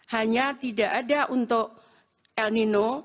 hanya tidak ada untuk el nino